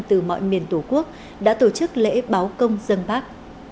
từ mọi miền tổ quốc đã tổ chức lễ báo công dân bác